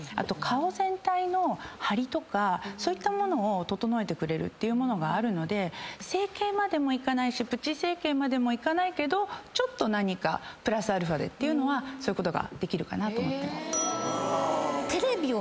そういったものを整えてくれるっていうものがあるので整形までもいかないしプチ整形までもいかないけどちょっとプラスアルファでっていうのはそういうことができるかなと。